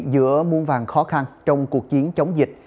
giữa muôn vàn khó khăn trong cuộc chiến chống dịch